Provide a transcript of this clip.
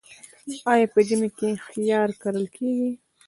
آیا په ژمي کې خیار کرل کیږي؟